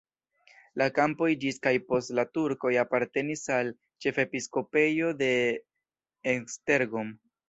La kampoj ĝis kaj post la turkoj apartenis al ĉefepiskopejo de Esztergom.